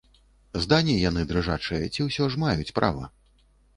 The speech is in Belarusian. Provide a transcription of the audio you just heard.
Здані яны дрыжачыя ці ўсё ж маюць права?